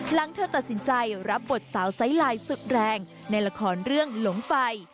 หลังเธอตัดสินใจรับบทสาวไซส์ไลน์สุดแรงในละครเรื่องหลงไฟ